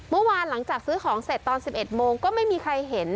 เมื่อวานหลังจากซื้อของเสร็จตอน๑๑โมงก็ไม่มีใครเห็น